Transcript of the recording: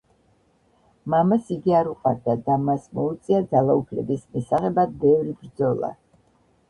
მამას იგი არ უყვარდა და მას მოუწია ძალაუფლების მისაღებად ბევრი ბრძოლა.